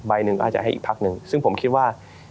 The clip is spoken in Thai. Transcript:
หนึ่งก็อาจจะให้อีกพักหนึ่งซึ่งผมคิดว่า